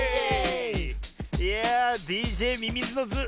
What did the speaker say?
いやあＤＪミミズのズー